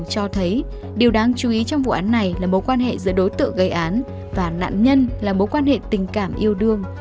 cho thấy điều đáng chú ý trong vụ án này là mối quan hệ giữa đối tượng gây án và nạn nhân là mối quan hệ tình cảm yêu đương